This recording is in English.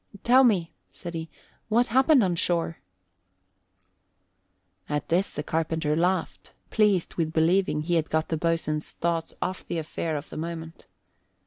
"Tell me," said he, "what happened on shore?" At this the carpenter laughed, pleased with believing he had got the boatswain's thoughts off the affair of the moment.